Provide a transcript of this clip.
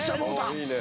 いいね。